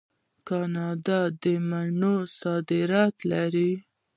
کاناډا د مڼو صادرات لري.